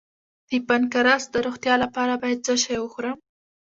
د پانکراس د روغتیا لپاره باید څه شی وخورم؟